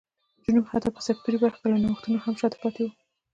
جنوب حتی په سکتوري برخو کې له نوښتونو هم شا ته پاتې و.